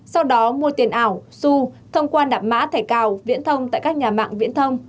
sau đó mua tiền ảo su thông qua đập mã thẻ cào viễn thông tại các nhà mạng viễn thông